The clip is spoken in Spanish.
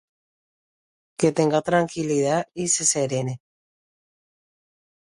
Que tenga tranquilidad y se serene.